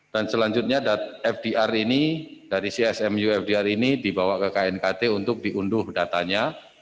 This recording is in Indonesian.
dan selanjutnya fdr ini dari csmu fdr ini dibawa ke knkt untuk diunduh datanya